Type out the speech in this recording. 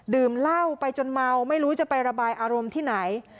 ดื่มเหล้าไปจนเมาไม่รู้จะไประบายอารมณ์ที่ไหน